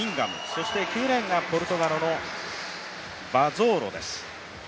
そして９レーンがポルトガルのバゾーロです。